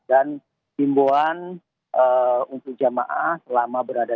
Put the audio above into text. dan timbuhan untuk jamaah selama berada di mekah